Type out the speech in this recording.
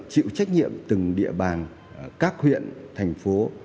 chịu trách nhiệm từng địa bàn các huyện thành phố